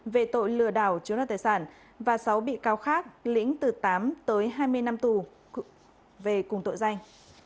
về tội lừa đảo chiếu đoạt tài sản và sáu bị cáo khác lĩnh từ tám tới hai mươi năm tù về cùng tội danh